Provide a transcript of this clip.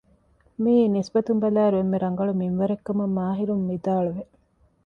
މިއީ ނިސްބަތުން ބަލާއިރު އެންމެ ރަނގަޅު މިންވަރެއް ކަމަށް މާހިރުން ވިދާޅުވެ